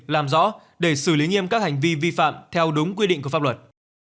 làm rõ để xử lý nghiêm các hành vi vi phạm theo đúng quy định của pháp luật